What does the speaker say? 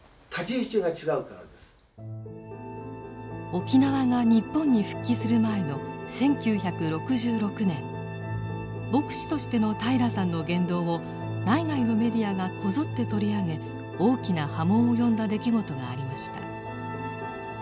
沖縄が日本に復帰する前の１９６６年牧師としての平良さんの言動を内外のメディアがこぞって取り上げ大きな波紋を呼んだ出来事がありました。